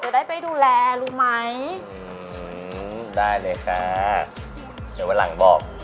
ได้ไปดูแลรู้ไหมอืมได้เลยค่ะเดี๋ยววันหลังบอก